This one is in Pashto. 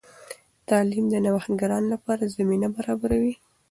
تعلیم د نوښتګرانو لپاره زمینه برابروي.